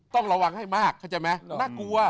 ต้องระวังให้มากน่ากลัว